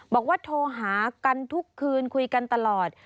บอกว่าโทรหากันทุกคืนคุยกันตลอด